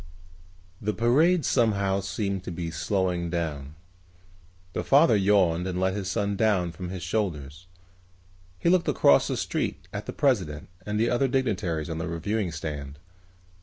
The parade somehow seemed to be slowing down. The father yawned and let his son down from his shoulders. He looked across the street at the president and the other dignitaries on the reviewing stand.